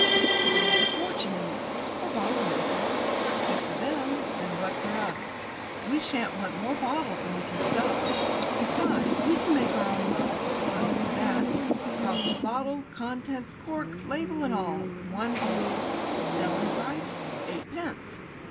"There's a fortune in it!" "For the bottlemakers." "If for them, then what for us? We shan't want more bottles than we can sell. Besides, we can make our own bottles if it comes to that. Cost of bottle, contents, cork, label, and all, one penny. Selling price, eightpence.